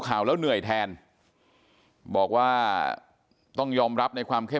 แม่น้องชมพู่แม่น้องชมพู่แม่น้องชมพู่แม่น้องชมพู่